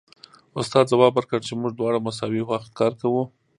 استاد ځواب ورکړ چې موږ دواړه مساوي وخت کار کوو